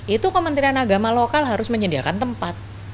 itu kementerian agama lokal harus menyediakan tempat